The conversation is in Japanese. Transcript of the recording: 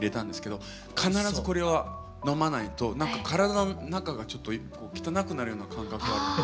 必ずこれは飲まないとなんか体の中がちょっと汚くなるような感覚があって。